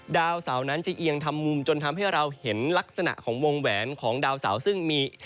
ดาวเสานั้นจะเอียงทำมุมจนทำให้เราเห็นลักษณะของวงแหวนของดาวเสาซึ่งมี